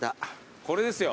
これですよ